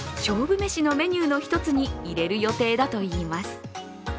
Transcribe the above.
めしのメニューの一つに入れる予定だといいます。